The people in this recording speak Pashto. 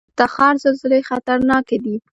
د تخار زلزلې خطرناکې دي